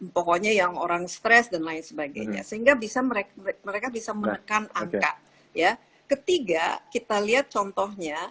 pokoknya yang orang stres dan lain sebagainya sehingga bisa mereka mereka bisa menekan angka ya ketiga kita lihat contohnya